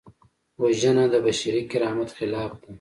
وژنه د بشري کرامت خلاف ده